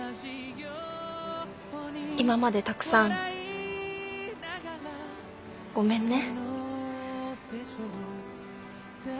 今までたくさんごめんね。